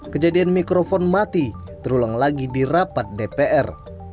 kejadian mikrofon mati terulang lagi di rapat dpr